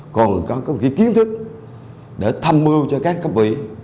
còn có kiến thức để thăm mưu cho các cấp ủy